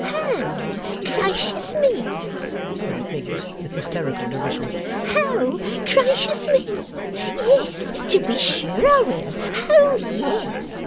'Ho, gracious me!' cried Miggs, with hysterical derision. 'Ho, gracious me! Yes, to be sure I will. Ho yes!